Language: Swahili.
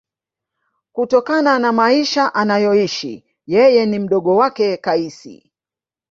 Kutokana na maisha anayoishi yeye na mdogo wake Kaisi